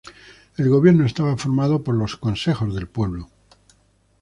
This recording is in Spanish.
El gobierno estaba formado por los "consejos del pueblo".